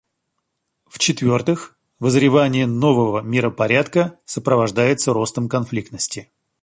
В-четвертых, вызревание нового миропорядка сопровождается ростом конфликтности.